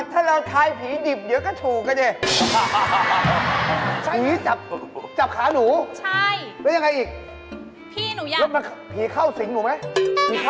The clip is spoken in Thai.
จริงเลยไงครับที่ตอนนี้